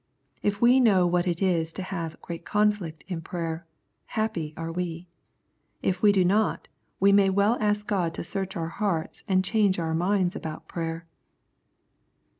If we know what it is to have " great conflict " in prayer, happy are we. If we do not, we may well ask God to search our hearts and change our minds about prayer.